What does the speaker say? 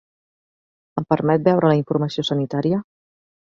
Em permet veure la informació sanitària?